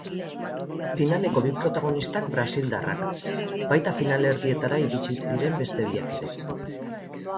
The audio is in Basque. Finaleko bi protagonistak brasildarrak, baita finalerdietara iritsi ziren beste biak ere.